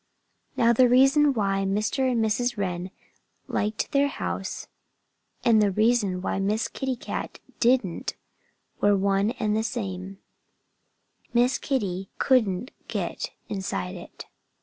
Now, the reason why Mr. and Mrs. Wren liked their house and the reason why Miss Kitty Cat didn't were one and the same: Miss Kitty couldn't get inside it.